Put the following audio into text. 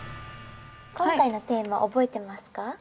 今回のテーマ覚えてますか？